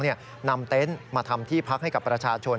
นำเต็นต์มาทำที่พักให้กับประชาชน